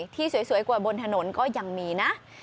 ที่สวยกว่าบนถนนก็ยังมีนะ